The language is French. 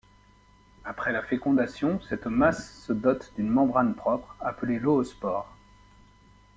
Après la fécondation, cette masse se dote d'une membrane propre, appelée l'oospore.